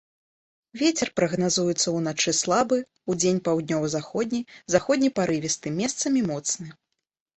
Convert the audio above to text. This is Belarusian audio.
Вецер прагназуецца ўначы слабы, удзень паўднёва-заходні, заходні парывісты, месцамі моцны.